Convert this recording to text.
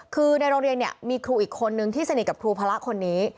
คือในโรงเรียนเนี่ยมีครูอีกคนนึงที่สนิทกับครูพระคนนี้